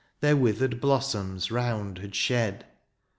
Their withered blossoms round had shed.